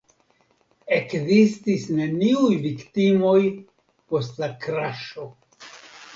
Ekzistis neniuj viktimoj post la kraŝo.